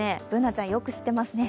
Ｂｏｏｎａちゃん、よく知っていますね。